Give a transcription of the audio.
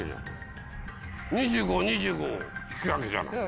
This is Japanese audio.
２５・２５引き分けじゃない。